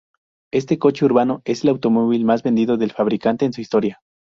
Este coche urbano es el automóvil más vendido del fabricante en su historia.